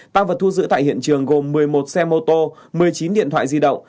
tăng vật thu giữ tại hiện trường gồm một mươi một xe mô tô một mươi chín điện thoại di động